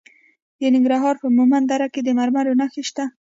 د ننګرهار په مومند دره کې د مرمرو نښې شته.